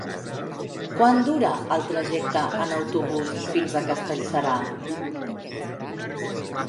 Quant dura el trajecte en autobús fins a Castellserà?